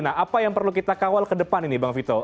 nah apa yang perlu kita kawal ke depan ini bang vito